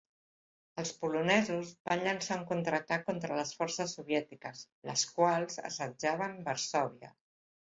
Els polonesos van llançar un contraatac contra les forces soviètiques, les quals assetjaven Varsòvia.